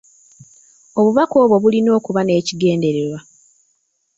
Obubaka obwo bulina okuba n'ekigendererwa.